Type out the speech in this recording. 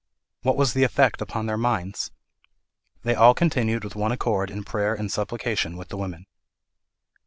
What was the effect upon their minds? 'They all continued with one accord in prayer and supplication with the women.'